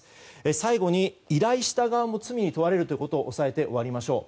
最後に、依頼した側も罪に問われるということを抑えて終わりましょう。